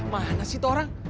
mana sih itu orang